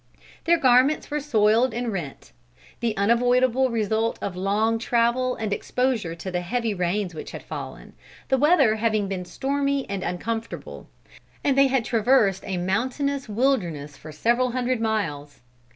Their garments were soiled and rent; the unavoidable result of long travel and exposure to the heavy rains which had fallen, the weather having been stormy and uncomfortable, and they had traversed a mountainous wilderness for several hundred miles.